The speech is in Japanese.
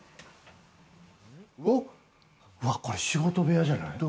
これ仕事部屋じゃない？